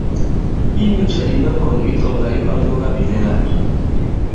Inyu cɛ ìna ŋgɔ̀n ǐ tɔ̄ŋ lā ǐ ɓā ǹdugabìlɛla ?